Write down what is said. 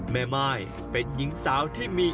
หันล้วยหันล้วยหันล้วยหันล้วยหันล้วย